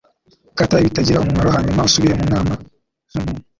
Kata ibitagira umumaro hanyuma usubire mu ntama z'umuntu